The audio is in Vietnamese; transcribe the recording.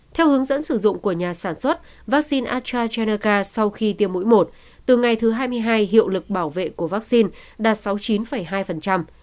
theo hướng dẫn sử dụng của nhà sản xuất vaccine astra chanaka sau khi tiêm mũi một từ ngày thứ hai mươi hai hiệu lực bảo vệ của vaccine đạt sáu mươi chín hai